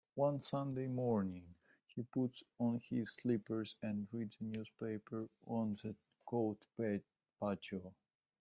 On Sunday mornings, he puts on his slippers and reads the newspaper on the cold patio.